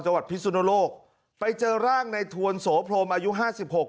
จังหวัดพิศุโนโลกไปเจอร่างในถวนโสโพรมอายุห้าสิบหก